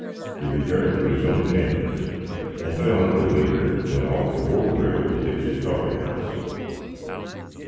He returned to his own chambres; and John the waiter, went off for more grill to Dixes Coffey House.